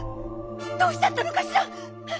どうしちゃったのかしら。